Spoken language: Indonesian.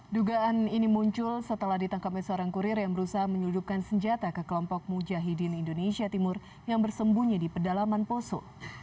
dugaan ini muncul setelah ditangkapnya seorang kurir yang berusaha menyeludupkan senjata ke kelompok mujahidin indonesia timur yang bersembunyi di pedalaman poso